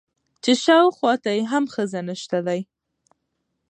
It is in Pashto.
چې شاوخوا ته يې هم ښځه نشته ده.